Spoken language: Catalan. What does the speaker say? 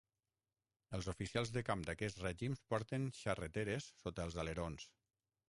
Els oficials de camp d"aquests règims porten xarreteres sota els alerons.